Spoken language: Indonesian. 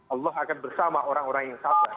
allah akan bersama orang orang yang sabar